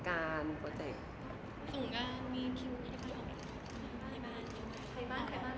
ใครบ้างใครบ้าง